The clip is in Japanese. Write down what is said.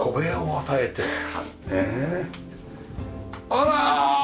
あら。